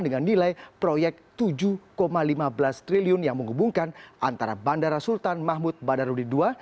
dengan nilai proyek rp tujuh lima belas triliun yang menghubungkan antara bandara sultan mahmud badarudin ii